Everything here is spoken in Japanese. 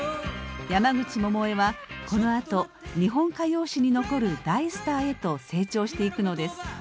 山口百恵はこのあと日本歌謡史に残る大スターへと成長していくのです。